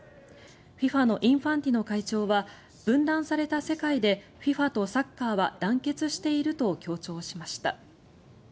ＦＩＦＡのインファンティノ会長は分断された世界でＦＩＦＡとサッカーは団結していると強調しました。